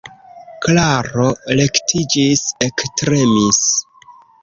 Klaro rektiĝis, ektremis.